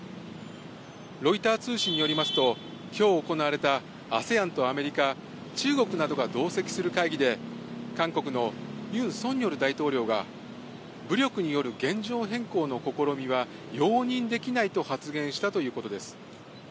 ロイター通信によりますと、きょう行われたＡＳＥＡＮとアメリカ、中国などが同席する会議で、韓国のユン・ソンニョル大統領が、武力による現状変更の試みは、容認できないと発言したということです。